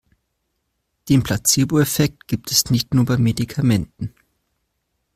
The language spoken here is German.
Den Placeboeffekt gibt es nicht nur bei Medikamenten.